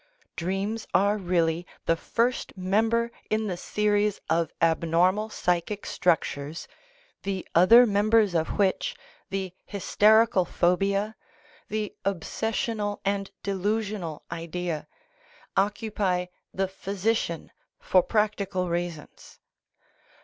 Dreams are really the first member in the series of abnormal psychic structures, the other members of which, the hysterical phobia, the obsessional and delusional idea, occupy the physician for practical reasons.